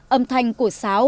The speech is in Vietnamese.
âm thanh của sáo